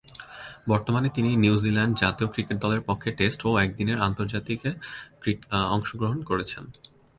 বর্তমানে তিনি নিউজিল্যান্ড জাতীয় ক্রিকেট দলের পক্ষে টেস্ট ও একদিনের আন্তর্জাতিকে অংশগ্রহণ করছেন।